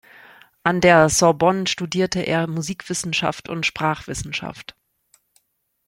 An der Sorbonne studierte er Musikwissenschaft und Sprachwissenschaft.